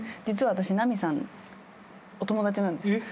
実は私奈美さんお友達なんです。